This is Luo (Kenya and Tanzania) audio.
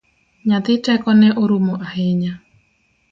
Nyathi tekone orumo ahinya